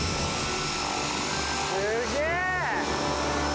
すげえ！